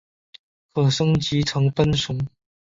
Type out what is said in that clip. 可升级成奔熊。